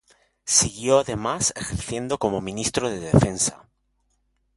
Siguió además ejerciendo como ministro de Defensa.